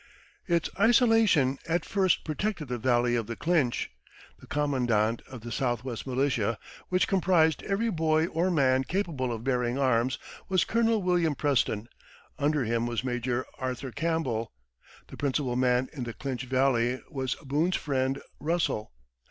Its isolation at first protected the Valley of the Clinch. The commandant of the southwest militia which comprised every boy or man capable of bearing arms was Colonel William Preston; under him was Major Arthur Campbell; the principal man in the Clinch Valley was Boone's friend, Russell.